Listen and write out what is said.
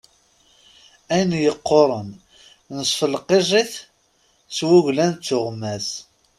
Ayen yeqquṛen, nesfelqij-it s wuglan d tuɣmas.